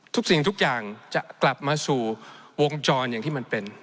สิ่งทุกอย่างจะกลับมาสู่วงจรอย่างที่มันเป็น